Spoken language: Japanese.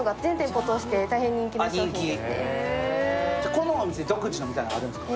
このお店、独自のみたいなのあるんですか？